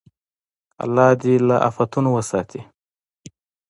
الله دې له افتونو وساتي.